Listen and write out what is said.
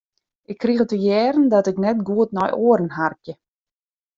Ik krige te hearren dat ik net goed nei oaren harkje.